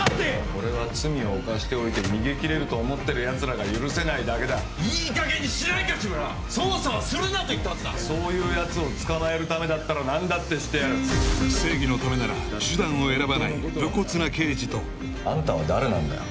俺は罪を犯しておいて逃げ切れると思ってるやつらが許せないだけだ・いいかげんにしないか志村捜査はするなと言ったはずだそういうやつを捕まえるためだったら何だってしてやる正義のためなら手段を選ばない武骨な刑事とあんたは誰なんだよ？